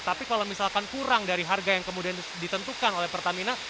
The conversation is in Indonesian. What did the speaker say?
tapi kalau misalkan kurang dari harga yang kemudian ditentukan oleh pertamina